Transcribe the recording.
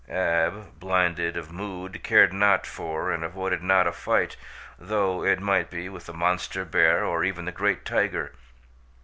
Ab, blinded of mood, cared not for and avoided not a fight, though it might be with the monster bear or even the great tiger.